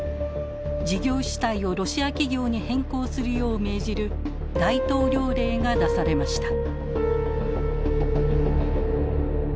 事業主体をロシア企業に変更するよう命じる大統領令が出されました。